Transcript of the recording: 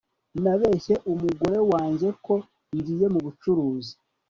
nabeshye umugore wanjye ko ngiye mu bucuruzi